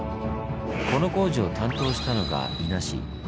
この工事を担当したのが伊奈氏。